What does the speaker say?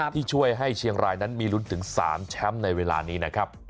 ที่ช่วยให้เชียงรายนั้นมีลุ้นถึง๓แชมป์ในเวลานี้นะครับ